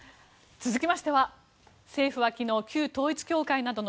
続きましては政府は昨日、旧統一教会などの